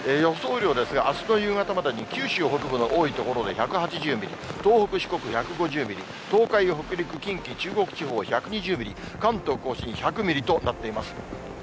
雨量ですが、あすの夕方までに、九州北部の多い所で１８０ミリ、東北、四国１５０ミリ、東海、北陸、近畿、中国地方１２０ミリ、関東甲信１００ミリとなっています。